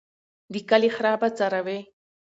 د کلي خره به څروي.